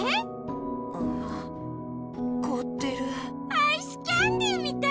アイスキャンデーみたい！